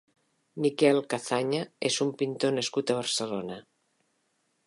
Miquel Cazaña és un pintor nascut a Barcelona.